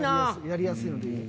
やりやすいのでいいよ。